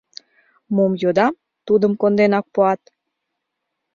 Мом йодам — тудым конденак пуат.